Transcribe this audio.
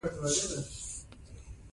چي د چا له کوره وزمه محشر سم